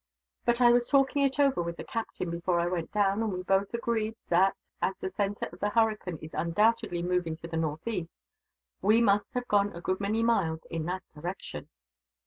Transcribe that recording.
But I was talking it over with the captain, before I went down, and we both agreed that, as the centre of the hurricane is undoubtedly moving to the northeast, we must have gone a good many miles in that direction.